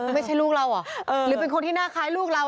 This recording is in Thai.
ไม่ใช่ลูกเราเหรอหรือเป็นคนที่น่าคล้ายลูกเรา